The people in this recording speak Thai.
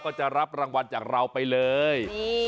ก็จะรับรางวัลจากเราไปเลย